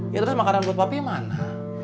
ya terus makanan buat papi mana